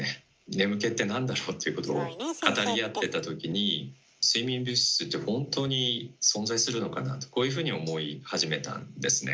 「眠気ってなんだろう？」っていうことを語り合ってた時に睡眠物質って本当に存在するのかなとこういうふうに思い始めたんですね。